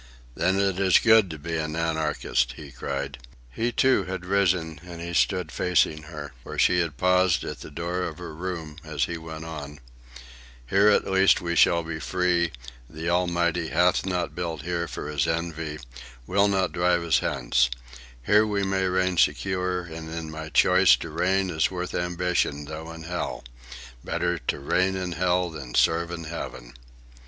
"Then it is good to be an anarchist!" he cried. He, too, had risen, and he stood facing her, where she had paused at the door of her room, as he went on: "'Here at least We shall be free; the Almighty hath not built Here for his envy; will not drive us hence; Here we may reign secure; and in my choice To reign is worth ambition, though in hell: Better to reign in hell than serve in heaven."